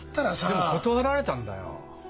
でも断られたんだよ。